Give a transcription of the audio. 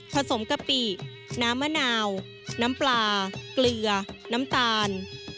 สมกะปิน้ำมะนาวน้ำปลาเกลือน้ำตาล